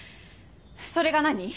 それが何？